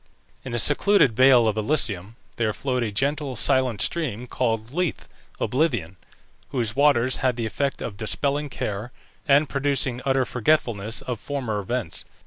In a secluded vale of Elysium there flowed a gentle, silent stream, called Lethe (oblivion), whose waters had the effect of dispelling care, and producing utter forgetfulness of former events.